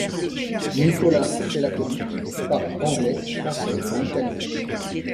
Nikola Selaković parle anglais, français et italien.